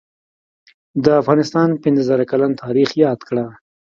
دافغانستان پنځه زره کلن تاریخ یاد کړه